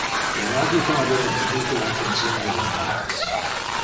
Le magico habeva capite le attention del infantes.